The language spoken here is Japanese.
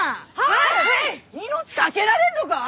命懸けられんのか？